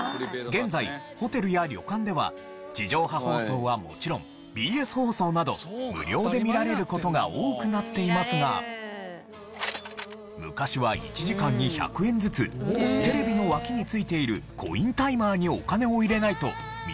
現在ホテルや旅館では地上波放送はもちろんＢＳ放送など無料で見られる事が多くなっていますが昔は１時間に１００円ずつテレビの脇に付いているコインタイマーにお金を入れないと見られなかったんです。